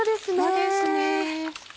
そうですね。